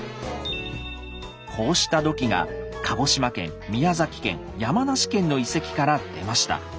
こうした土器が鹿児島県宮崎県山梨県の遺跡から出ました。